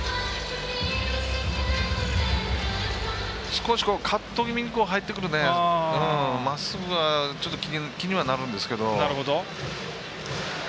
少しカット気味に入ってくるまっすぐは気にはなるんですけど。